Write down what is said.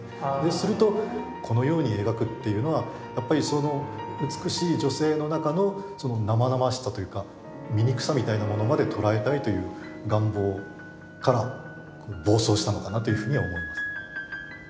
するとこのように描くっていうのはやっぱりその美しい女性の中の生々しさというか醜さみたいなものまで捉えたいという願望から暴走したのかなというふうには思います。